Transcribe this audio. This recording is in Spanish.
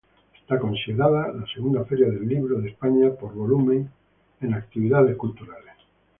Está considerada la segunda feria del libro de España por volumen de actividades culturales.